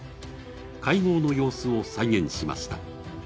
会合の様子を再現しました。